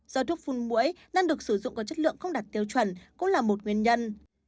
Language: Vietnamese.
do thuốc phun mũi nên được sử dụng có chất lượng không đạt tiêu chuẩn cũng là một nguyên nhân